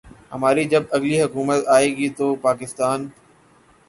ہماری جب اگلی حکومت آئے گی تو پاکستان